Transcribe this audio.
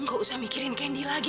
kamu gak usah mikirin candy lagi